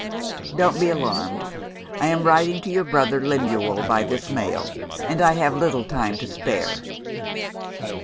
Don't be alarmed. I am writing to your brother Lemuel by this mail, and I have little time to spare."